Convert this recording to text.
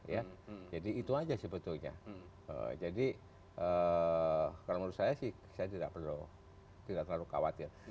ya jadi itu aja sebetulnya jadi kalau menurut saya sih saya tidak perlu khawatir